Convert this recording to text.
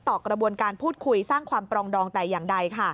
กระบวนการพูดคุยสร้างความปรองดองแต่อย่างใด